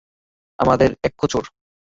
আমাদের এক খোঁচড়।